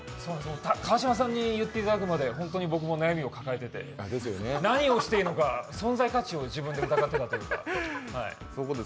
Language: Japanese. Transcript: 川島さんに言っていただくまで僕も悩みを抱えていて、何をしていいのか、存在価値を自分で疑っていたというか。